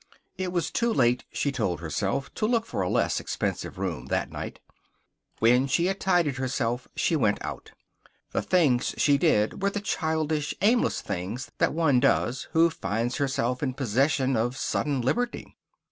It was too late, she told herself, to look for a less expensive room that night. When she had tidied herself she went out. The things she did were the childish, aimless things that one does who finds herself in possession of sudden liberty.